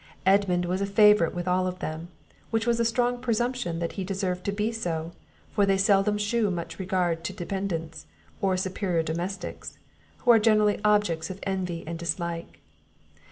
Edmund was a favourite with them all, which was a strong presumption that he deserved to be so, for they seldom shew much regard to dependents, or to superiour domestics, who are generally objects of envy and dislike.